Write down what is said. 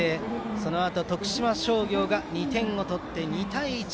そのあと徳島商業が２点取って２対１。